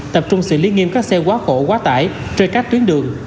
tập trung xử lý nghiêm các xe quá khổ quá tải trên các tuyến đường